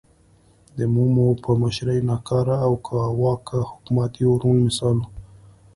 د مومو په مشرۍ ناکاره او کاواکه حکومت یو روڼ مثال و.